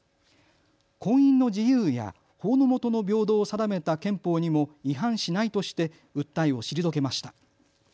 婚姻の自由や法の下の平等を定めた憲法にも違反しないとして訴えを退けました。